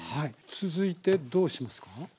続いてどうしますか？